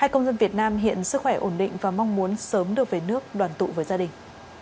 hai công dân việt nam hiện sức khỏe ổn định và mong muốn sớm được về nước đoàn tụ với gia đình